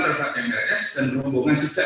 terhadap mks dan rombongan sejak